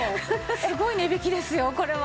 すごい値引きですよこれは。